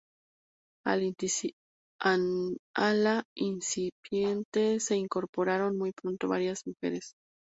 A la incipiente se incorporaron muy pronto varias mujeres.